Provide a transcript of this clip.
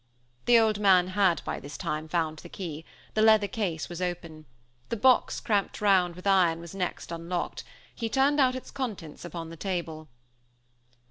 The old man had, by this time, found the key. The leather case was open. The box cramped round with iron was next unlocked. He turned out its contents upon the table.